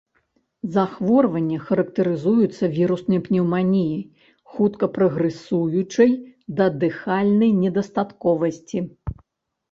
Захворванне характарызуецца віруснай пнеўманіяй, хутка прагрэсіруючай да дыхальнай недастатковасці.